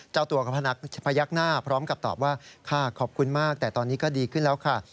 เจ้าตัวก็พยักหน้าพร้อมกับตอบว่าค่ะขอบคุณมากแต่ตอนนี้ก็ดีขึ้นแล้วค่ะ